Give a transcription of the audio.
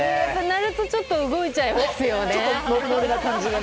鳴るとちょっと動いちゃいますよね。